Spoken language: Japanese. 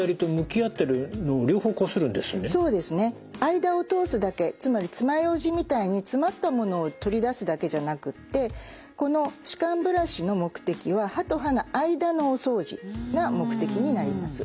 間を通すだけつまり爪ようじみたいに詰まったものを取り出すだけじゃなくってこの歯間ブラシの目的は歯と歯の間のお掃除が目的になります。